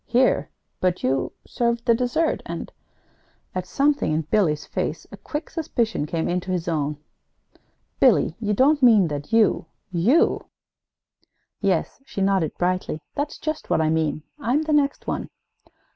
"Here? But you served the dessert, and " At something in Billy's face, a quick suspicion came into his own. "Billy, you don't mean that you you " "Yes," she nodded brightly, "that's just what I mean. I'm the next one."